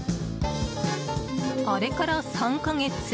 あれから３か月。